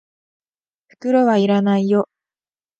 袋は要らないよ。